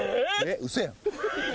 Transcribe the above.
ウソやん。